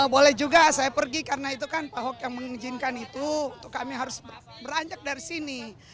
boleh juga saya pergi karena itu kan pak ahok yang mengizinkan itu kami harus beranjak dari sini